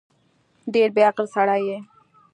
ډېر بیعقل سړی یې